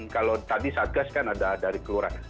kalau tadi saat gas kan ada dari keluarga